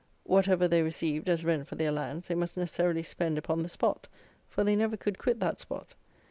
Whatever they received, as rent for their lands, they must necessarily spend upon the spot, for they never could quit that spot.